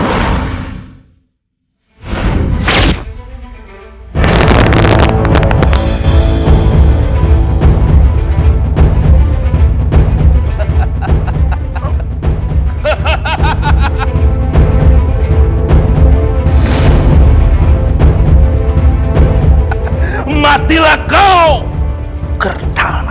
aku akan melakukannya